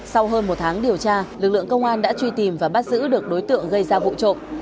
sau hơn một tháng điều tra lực lượng công an đã truy tìm và bắt giữ được đối tượng gây ra vụ trộm